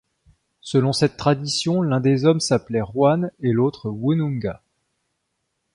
Selon cette tradition l'un des hommes s'appelait Juan et l'autre Woonunga.